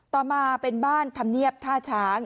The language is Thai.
ต่อมาเป็นบ้านธรรมเนียบท่าช้าง